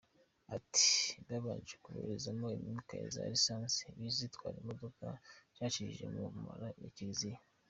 Ati “Babanje kuboherezamo imyuka ya za lisansi zitwara imodoka bacishije mu Munara wa Kiliziya.